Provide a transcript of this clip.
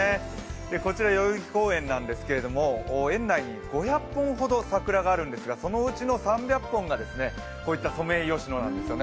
こちら代々木公園ですが、園内に５００本ほど桜があるんですがそのうちの３００本がソメイヨシノなんですよね。